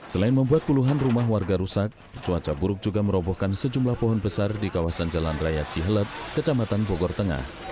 selain membuat puluhan rumah warga rusak cuaca buruk juga merobohkan sejumlah pohon besar di kawasan jalan raya cihelet kecamatan bogor tengah